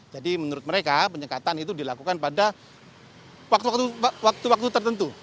jadi menurut mereka penyekatan itu dilakukan pada waktu waktu tertentu